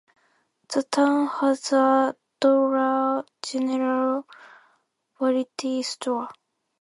The town has a Dollar General variety store.